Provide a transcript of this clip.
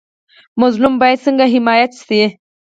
مظلوم باید څنګه حمایت شي؟